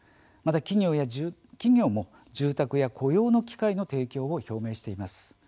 また、企業も住宅や雇用の機会の提供を表明しています。